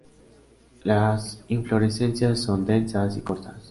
Las inflorescencias son densas y cortas.